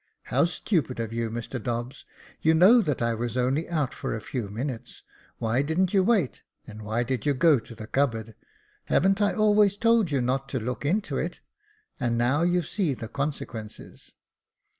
" How stupid of you, Mr Dobbs ; you know that I was only out for a few minutes. Why didn't you wait — and why did you go to the cupboard ? Hav'n't I always told you not to look into it ? and now you see the consequences."